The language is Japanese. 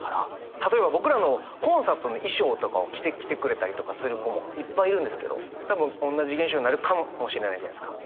例えば僕らのコンサートの衣装とかを着てきてくれたりとかする子もいっぱいいるんですけど多分おんなじ現象になるかもしれないじゃないですか。